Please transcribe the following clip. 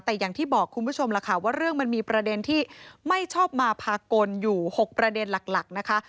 แต่อย่างที่บอกคุณผู้ชมล่ะค่ะว่าเรื่องมันมีประเด็นที่ไม่ชอบมาพากลอยู่๖ประเด็นหลักนะคะ